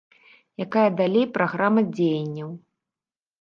Якая далей праграма дзеянняў?